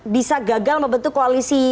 bisa gagal membentuk koalisi